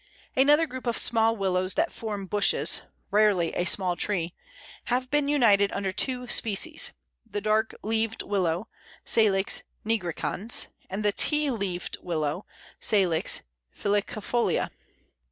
Another group of small Willows that form bushes (rarely a small tree) have been united under two species the Dark leaved Willow (Salix nigricans), and the Tea leaved Willow (Salix phylicifolia).